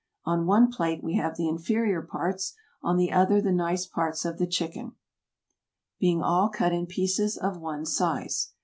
On one plate we have the inferior parts, on the other the nice parts of the chicken, being all cut in pieces of one size.